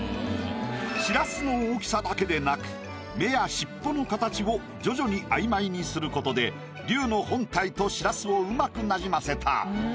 しらすの大きさだけでなく目や尻尾の形を徐々に曖昧にすることで龍の本体としらすをうまくなじませた。